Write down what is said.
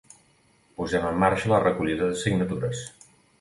Posem en marxa la recollida de signatures.